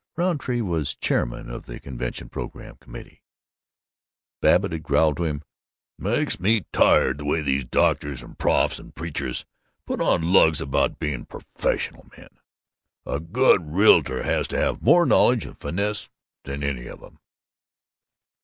Rountree was chairman of the convention program committee. Babbitt had growled to him, "Makes me tired the way these doctors and profs and preachers put on lugs about being 'professional men.' A good realtor has to have more knowledge and finesse than any of 'em."